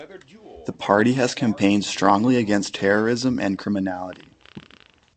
The party has campaigned strongly against terrorism and criminality.